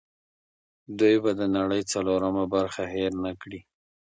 دوی به د نړۍ څلورمه برخه هېر نه کړي.